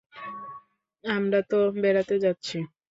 আমরা তো বেড়াতে যাচ্ছি।